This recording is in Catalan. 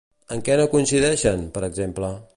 En què no coincideixen, per exemple?